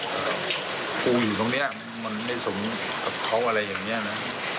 กูอยู่ตรงนี้มันไม่สมกับเขาอะไรอย่างนี้นะ